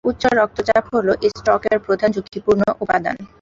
উচ্চ রক্তচাপ হলো স্ট্রোকের প্রধান ঝুঁকিপূর্ণ উপাদান।